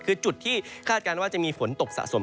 คือจุดที่คาดการณ์ว่าจะมีฝนตกสะสม